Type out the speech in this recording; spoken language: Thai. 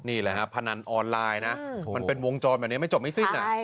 นี่แหละครับพนันออนไลน์นะมันเป็นวงจรแบบนี้ไม่จบไม่สิ้น